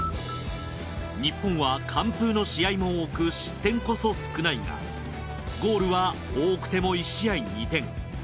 日本は完封の試合も多く失点こそ少ないがゴールは多くても１試合２点。